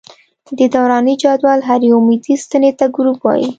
د دوراني جدول هرې عمودي ستنې ته ګروپ وايي.